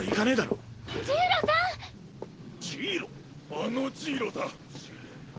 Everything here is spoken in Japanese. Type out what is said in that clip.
あのジイロだ。